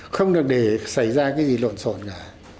không được để xảy ra cái gì lộn xộn cả